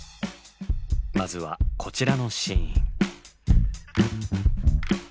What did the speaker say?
まずはこちらのシーン。